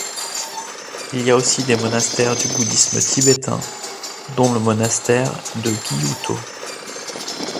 Il y a aussi des monastères du bouddhisme tibétain, dont le monastère de Gyuto.